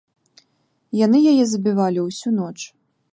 Яны яе забівалі ўсю ноч.